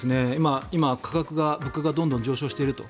今、価格、物価がどんどん上昇していると。